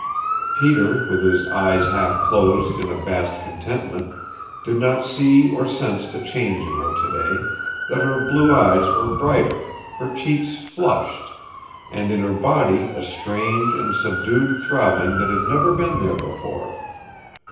Peter, with his eyes half closed in a vast contentment, did not see or sense the change in her today that her blue eyes were brighter, her cheeks flushed, and in her body a strange and subdued throbbing that had never been there before.